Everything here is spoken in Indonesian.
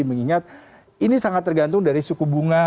mengingat ini sangat tergantung dari suku bunga